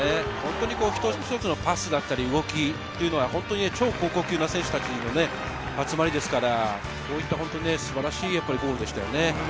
一つ一つのパスだったり動きというのは超高校級の選手たちの集まりですから、本当に素晴らしいゴールでしたね。